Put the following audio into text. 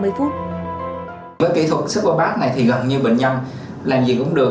với kỹ thuật superpath này thì gần như bệnh nhân